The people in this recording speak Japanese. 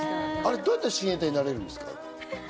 どうやったら親衛隊になれるんですか？